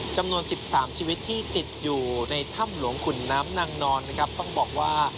จำนวน๑๓ชีวิตที่ติดอยู่ในถ้ำหลวงขุนน้ำนางนอนนะครับต้องบอกว่า